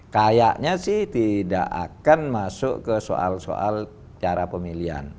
kayaknya sih tidak akan masuk ke soal soal cara pemilihan